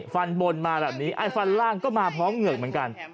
ฟันบนมาแบบนี้ไอ้ฟันล่างก็มาพร้อมเหงือกเหมือนกัน